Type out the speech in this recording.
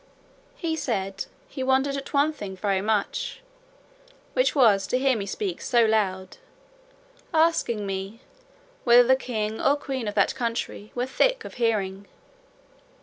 He said "he wondered at one thing very much, which was, to hear me speak so loud;" asking me "whether the king or queen of that country were thick of hearing?"